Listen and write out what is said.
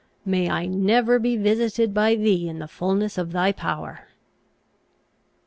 May I never be visited by thee in the fulness of thy power!"